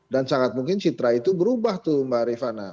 sangat mungkin citra itu berubah tuh mbak rifana